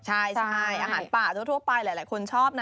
ใช่อาหารป่าทั่วไปหลายคนชอบนะ